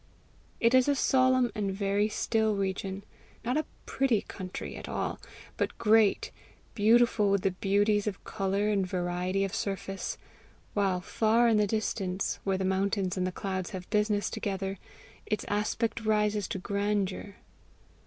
It is a solemn and very still region not a PRETTY country at all, but great beautiful with the beauties of colour and variety of surface; while, far in the distance, where the mountains and the clouds have business together, its aspect rises to grandeur.